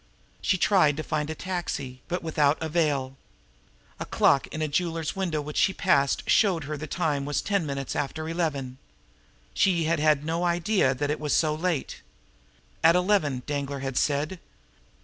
She tried to find a taxi, but with out avail. A clock in a jeweler's window which she passed showed her that it was ten minutes after eleven. She had had no idea that it was so late. At eleven, Danglar had said.